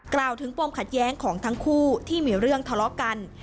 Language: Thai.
กล่าวถึงปมขัดแย้งของทั้งคู่ที่มีเรื่องทะเลาะกัน